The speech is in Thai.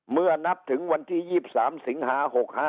เมื่อนับถึงวันที่๒๓สิงหา๖๕